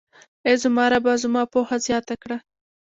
اې زما ربه، زما پوهه زياته کړه.